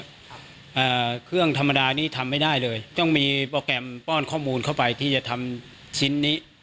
อ่าเครื่องธรรมดานี้ทำไม่ได้เลยต้องมีโปรแกรมป้อนข้อมูลเข้าไปที่จะทำชิ้นนี้